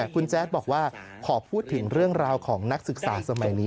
คุณแจ๊ดบอกว่าขอพูดถึงเรื่องราวของนักศึกษาสมัยนี้